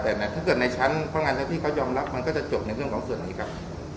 แต่ถ้าเกิดในชั้นพนักงานเจ้าที่เขายอมรับมันก็จะจบในเรื่องของส่วนนี้ครับ